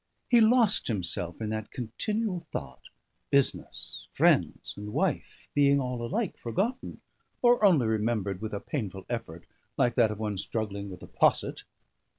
He lost himself in that continual thought: business, friends, and wife being all alike forgotten, or only remembered with a painful effort, like that of one struggling with a posset.